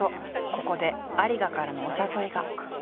ここで有賀からのお誘いが。